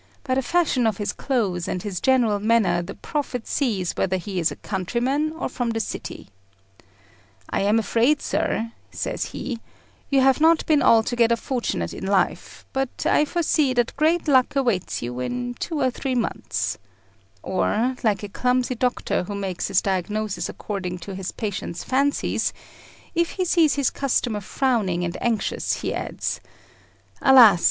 By the fashion of his clothes and his general manner the prophet sees whether he is a countryman or from the city. "I am afraid, sir," says he, "you have not been altogether fortunate in life, but I foresee that great luck awaits you in two or three months;" or, like a clumsy doctor who makes his diagnosis according to his patient's fancies, if he sees his customer frowning and anxious, he adds, "Alas!